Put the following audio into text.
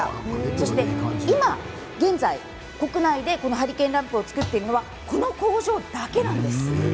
そして今現在、国内でこのハリケーンランプを作っているのはこの工場だけなんです。